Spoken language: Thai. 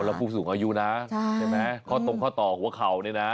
แล้วผู้สูงอายุนะใช่ไหมข้อตรงข้อต่อหัวเข่าเนี่ยนะ